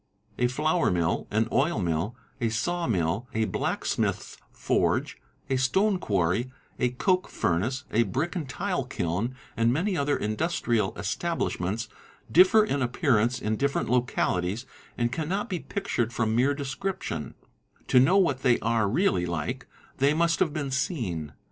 A flour mill, an oil mill, a saw mill, a blacksmith's forge, | a stone quarry, a coke furnace, a brick and tile kiln, and many other industrial establishments, differ in appearance in different localities and 4 cannot be pictured from mere description ; to know what they are really like, they must have been seen.